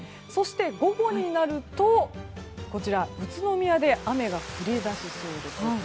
そして、午後になるとこちら、宇都宮で雨が降り出しそうです。